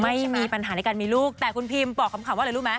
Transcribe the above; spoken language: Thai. ไม่มีปัญหาในการมีลูกแต่คุณพิมบอกคำว่าอะไรรู้ไหม